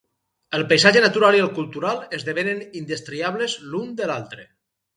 El paisatge natural i el cultural esdevenen indestriables l'un de l'altre.